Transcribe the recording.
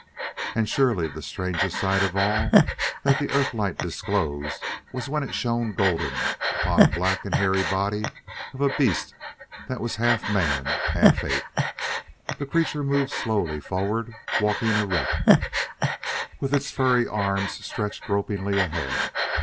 And surely the strangest sight of all that that Earth light disclosed was when it shone golden upon a black and hairy body of a beast that was half man, half ape. The creature moved slowly forward, walking erect, with its furry arms stretched gropingly ahead.